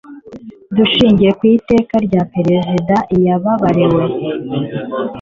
dushingiye ku iteka rya perezida yababariwe